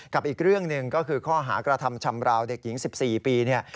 อีกเรื่องหนึ่งก็คือข้อหากระทำชำราวเด็กหญิง๑๔ปีเนี่ย